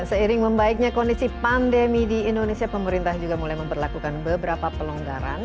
seiring membaiknya kondisi pandemi di indonesia pemerintah juga mulai memperlakukan beberapa pelonggaran